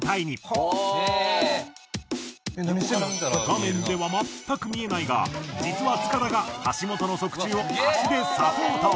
画面では全く見えないが実は塚田が橋本の側宙を足でサポート！